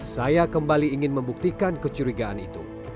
saya kembali ingin membuktikan kecurigaan itu